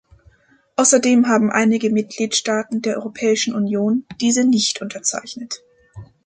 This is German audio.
Außerdem haben einige Mitgliedstaaten der Europäischen Union diese nicht unterzeichnet.